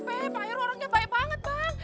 pak heru orangnya baik banget bang